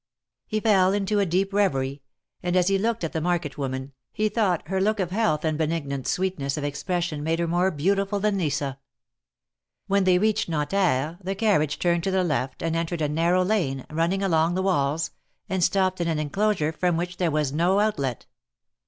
He fell into a deep reverie, and as he looked at the market woman, he thought her look of health and benignant sweetness of expression made her more beautiful than Lisa. When they reached JSTanterre, the carriage turned to the left and entered a narrow lane, running along the walls, and stopped in an enclosure from which there was no outlet.